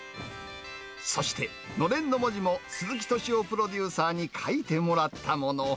そして、のれんの文字も鈴木敏夫プロデューサーに書いてもらったもの。